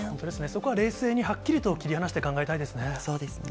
そこは冷静にはっきりと切り離して考えたいですね。